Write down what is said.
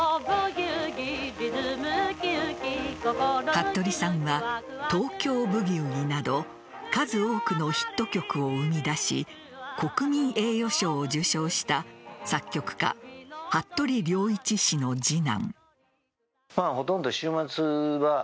服部さんは、東京ブギウギなど数多くのヒット曲を生み出し国民栄誉賞を受賞した作曲家、服部良一氏の次男。